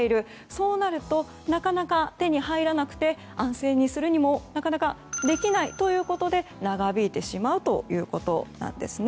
そうなると、なかなか手に入らなくて安静にするにもなかなかできないということで長引いてしまうということです。